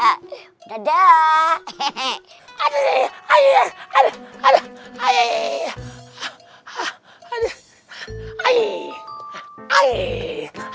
aduh aduh aduh